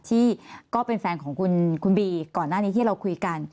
ก็เป็นแฟนของคุณบีก่อนหน้านี้ที่เราคุยกัน